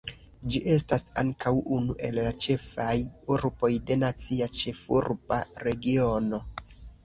Ĝi estas ankaŭ unu el la ĉefaj urboj de Nacia Ĉefurba Regiono.